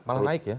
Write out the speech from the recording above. malah naik ya